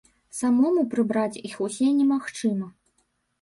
Самому прыбраць іх усе немагчыма.